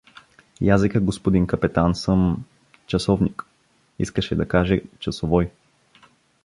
Язека, господин капетан, съм… часовник… Искаше да каже — часовой.